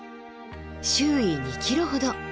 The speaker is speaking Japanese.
周囲２ｋｍほど。